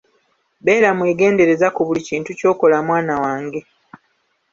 Beera mwegendereza ku buli kintu ky’okola mwana wange.